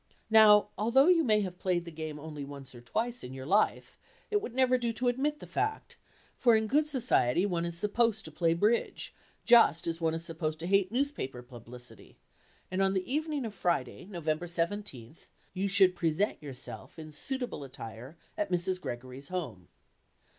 Now, although you may have played the game only once or twice in your life, it would never do to admit the fact, for in good society one is supposed to play "bridge" just as one is supposed to hate newspaper publicity, and on the evening of Friday, November seventeenth, you should present yourself in suitable attire at Mrs. Gregory's home.